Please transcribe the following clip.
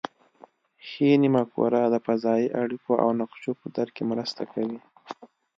ښي نیمه کره د فضایي اړیکو او نقشو په درک کې مرسته کوي